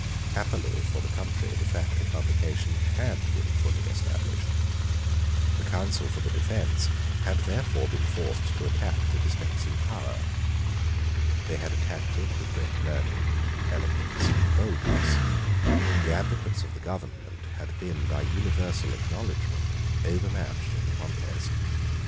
Happily for the country, the fact of publication had been fully established. The counsel for the defence had therefore been forced to attack the dispensing power. They had attacked it with great learning, eloquence, and boldness. The advocates of the government had been by universal acknowledgment overmatched in the contest.